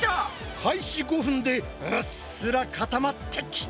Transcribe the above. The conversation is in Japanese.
開始５分でうっすら固まってきた！